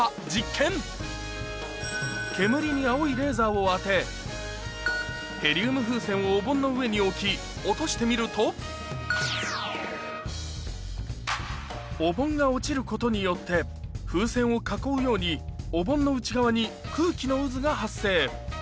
を当てヘリウム風船をお盆の上に置き落としてみるとお盆が落ちることによって風船を囲うようにお盆の内側に空気の渦が発生